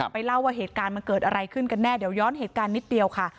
เล่าว่าเหตุการณ์มันเกิดอะไรขึ้นกันแน่เดี๋ยวย้อนเหตุการณ์นิดเดียวค่ะ